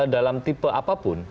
dalam tipe apapun